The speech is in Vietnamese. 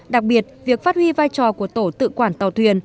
đặc biệt việc phát huy vai trò của tổ tự quản tàu thuyền